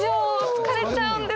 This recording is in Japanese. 疲れちゃうんですよ！